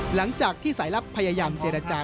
หลังจากที่สายลับพยายามเจรจา